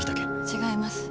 違います。